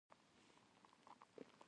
زردالو د اوړي مېوه ده.